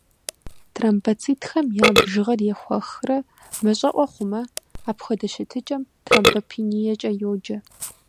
Тромбоцитхэм я бжыгъэр ехуэхрэ мащӏэӏуэ хъумэ, апхуэдэ щытыкӏэм тромбопениекӏэ йоджэ.